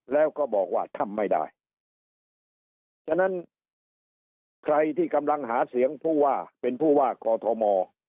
แล้วก็บอกว่าทำไม่ได้ฉะนั้นใครที่กำลังหาเสียงผู้ว่าเป็นผู้ว่ากอทม